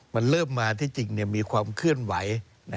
มันเริ่มมาที่จริงมีความเคลื่อนไหว